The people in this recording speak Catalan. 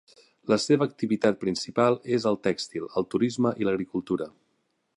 La seva activitat principal és el tèxtil, el turisme i l'agricultura.